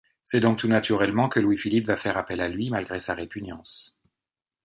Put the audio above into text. C'est donc tout naturellement que Louis-Philippe va faire appel à lui, malgré sa répugnance.